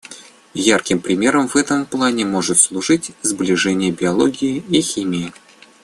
Ярким примером в этом плане может служить сближение биологии и химии.